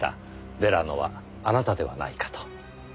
ヴェラノはあなたではないかと。